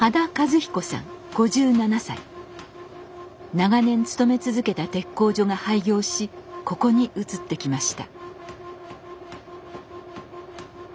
長年勤め続けた鉄工所が廃業しここに移ってきました。